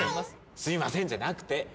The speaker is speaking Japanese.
すいませんじゃなくて。